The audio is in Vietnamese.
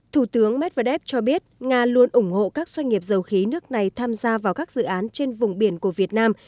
thủ tướng medvedev cho biết nga luôn ủng hộ các doanh nghiệp dầu khí nước này tham gia vào các dự án trên vùng biển của việt nam